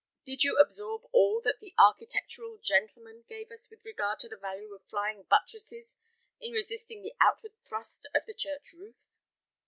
Did you absorb all that the architectural gentleman gave us with regard to the value of flying buttresses in resisting the outward thrust of the church roof?"